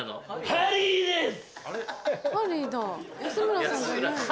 ・ハリーだ安村さんじゃない。